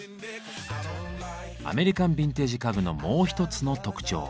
アメリカンビンテージ家具のもう一つの特徴。